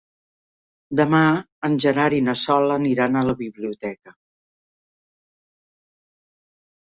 Demà en Gerard i na Sol aniran a la biblioteca.